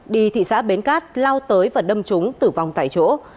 đi thị xã bến cát lao tới và đâm trúng tử vong tại chỗ